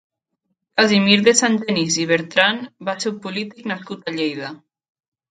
Casimir de Sangenís i Bertrand va ser un polític nascut a Lleida.